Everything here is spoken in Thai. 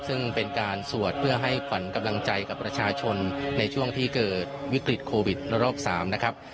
ซึ่งเป็นการสวดเพื่อให้ขวัญกำลังใจกับประชาชนในช่วงที่เกิดวิกฤตโควิดระลอก๓นะครับ